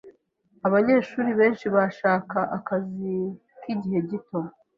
Abanyeshuri benshi bashaka akazi k'igihe gito.